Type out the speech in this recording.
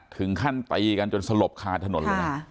ถึงขั้นตีกันจนสลบคาถนนเลยนะ